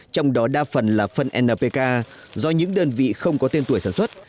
trong đó đa phần là phân npk do những đơn vị không có tên tuổi sản xuất